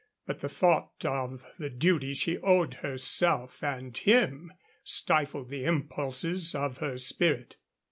But the thought of the duty she owed herself and him stifled the impulses of her spirit.